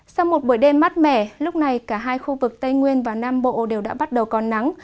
sau một buổi đêm mát mẻ lúc này cả hai khu vực tây nguyên và nam bộ đều đã bắt đầu còn nắng